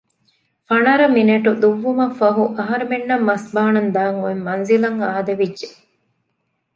ފަނަރަ މިނެޓު ދުއްވުމަށްފަހު އަހަރެމެންނަށް މަސްބާނަން ދާން އޮތް މަންޒިލަށް އާދެވިއްޖެ